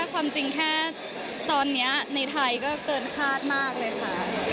ความจริงแค่ตอนนี้ในไทยก็เกินคาดมากเลยค่ะ